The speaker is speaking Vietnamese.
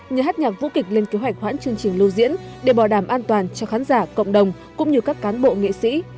nhà hát nhạc vũ kịch lên kế hoạch khoản chương trình lưu diễn để bảo đảm an toàn cho khán giả cộng đồng cũng như các cán bộ nghệ sĩ